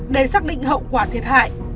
để xác định hậu quả thiệt hại